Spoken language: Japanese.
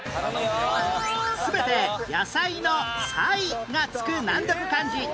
全て野菜の「菜」がつく難読漢字